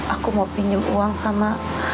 aku mau pinjam uang sama